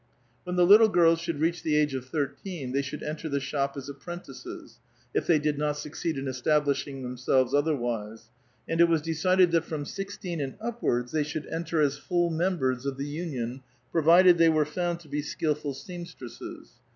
When the little girls should reach the age of thir teen, they should enter the shop as apprentices, if they did not succeed in establishing themselves otherwise ; and it was decided that from sixteen and upwards they should enter as full members of the union, provided they were found to be skilful seamstresses.